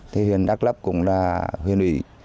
thì huyện đắk lấp cũng là huyện ủy